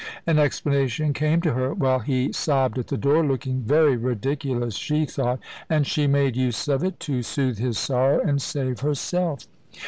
An explanation came to her while he sobbed at the door looking very ridiculous, she thought and she made use of it, to soothe his sorrow and save herself.